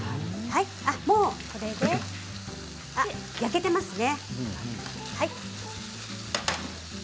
もうこれで焼けていますね。